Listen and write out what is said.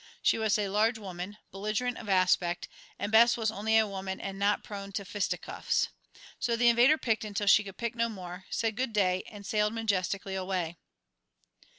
She was a large woman, belligerent of aspect, and Bess was only a woman and not prone to fisticuffs. So the invader picked until she could pick no more, said "Good day," and sailed majestically away.